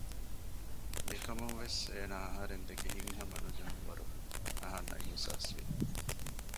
މިކަމުން ވެސް އޭނާ އަހަރެން ދެކެ ހިތްހަމަނުޖެހުނު ވަރު އަހަންނަށް އިހުސާސްވި